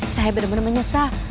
saya benar benar menyesal